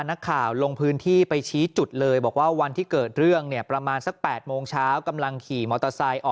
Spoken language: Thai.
พนักข่าวลงพื้นที่ไปชี้จุดเลยบอกว่าวันที่เกิดเรื่องเนี่ย